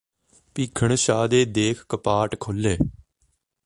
ਭੀਖਣ ਸ਼ਾਹ ਦੇ ਦੇਖ ਕਪਾਟ ਖੁਲ੍ਹੇ